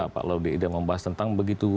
pak laudie dia membahas tentang begitu